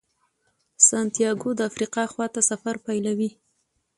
سانتیاګو د افریقا خواته سفر پیلوي.